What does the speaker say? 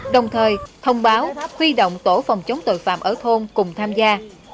đồng thời thông báo huy động tổ phòng chống tội phạm ở thôn cùng tham gia